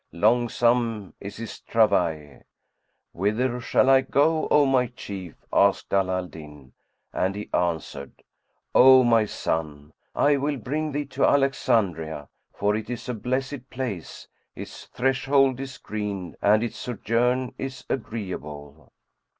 longsome is his travail." "Whither shall I go, O my chief?" asked Ala al Din; and he answered, "O my son, I will bring thee to Alexandria, for it is a blessed place; its threshold is green and its sojourn is agreeable."